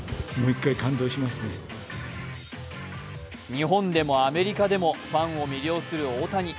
日本でもアメリカでもファンを魅了する大谷。